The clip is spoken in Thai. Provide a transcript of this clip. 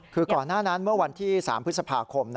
คือก่อนหน้านั้นเมื่อวันที่๓พฤษภาคม